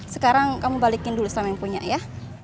sekarang kamu balikin dulu sama yang punya ya